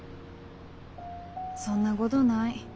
そんなごどない。